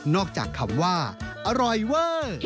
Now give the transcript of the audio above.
นอกจากคำว่าอร่อยเว้อ